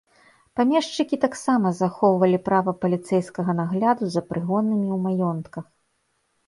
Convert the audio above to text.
Памешчыкі таксама захоўвалі права паліцэйскага нагляду за прыгоннымі ў маёнтках.